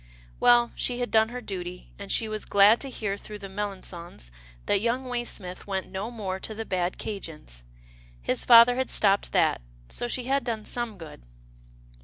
Well, she had done her duty, and she was glad to hear through the Melangons that young Waysmith went no more to the bad 'Cajien's. His father had stopped that, so she had done some good.